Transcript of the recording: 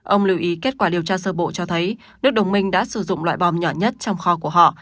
ông lưu ý kết quả điều tra sơ bộ cho thấy đức đồng minh đã sử dụng loại bom nhỏ nhất trong kho của họ